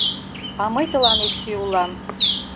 А мый тыланет кӧ улам?